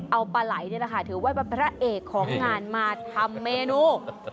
เอาปลาไหลนี่นะคะถือว่าพระเอกของงานมาทำเมนู